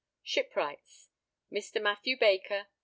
Shipwrights. Mr. Mathew Baker.